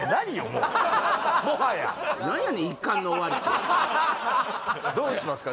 もうもはやどうしますか？